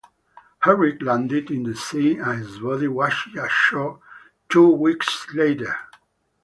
Herrick landed in the sea and his body washed ashore two weeks later.